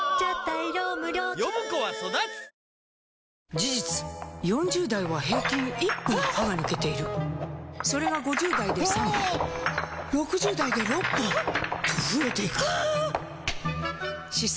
事実４０代は平均１本歯が抜けているそれが５０代で３本６０代で６本と増えていく歯槽